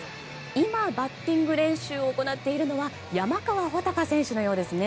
今、バッティング練習を行っているのは山川穂高選手のようですね。